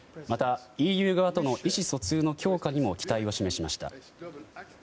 またＥＵ側との意思疎通の強化にも期待を示しました。